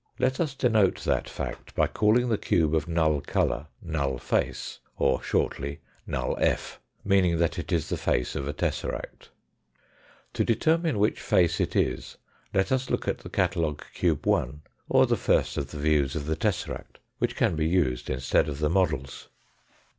Let us denote that fact by calling the cube of null colour, null face ; or, shortly, null f., meaning that it is the face of a tesseract. To determine which face it is let us look at the catalogue cube 1 or the first of the views of the tesseract, which APPENDIX I 239 can be used instead of the models.